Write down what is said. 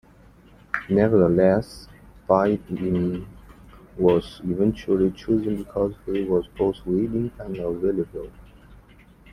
Nevertheless, Byng was eventually chosen because he was both willing and available.